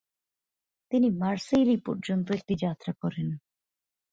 তিনি মারসেইলি পর্যন্ত একটি যাত্রা করেন।